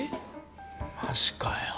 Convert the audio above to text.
マジかよ。